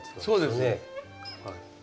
そうです。